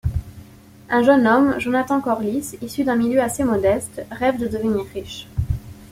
Un jeune homme, Jonathan Corliss issu d'un milieu assez modeste, rêve de devenir riche.